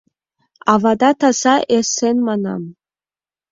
Авада таза-эсен, манам...